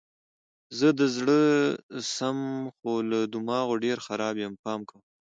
زه د زړه سم خو له دماغو ډېر خراب یم پام کوه!